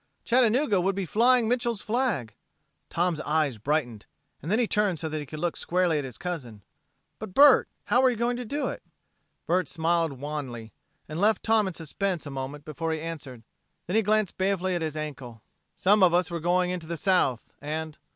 "Chattanooga would be flying Mitchel's flag." Tom's eyes brightened, and he turned so that he could look squarely at his cousin. "But, Bert, how were you going to do it?" Bert smiled wanly, and left Tom in suspense a moment before he answered. Then he glanced balefully at his ankle. "Some of us were going into the South, and